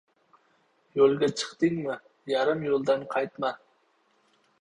• Yo‘lga chiqdingmi, yarim yo‘ldan qaytma.